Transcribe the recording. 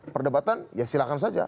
perdebatan ya silahkan saja